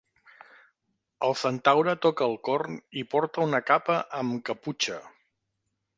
El centaure toca el corn i porta una capa amb caputxa.